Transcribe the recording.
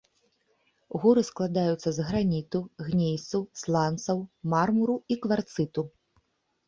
Горы складаюцца з граніту, гнейсу, сланцаў, мармуру і кварцыту.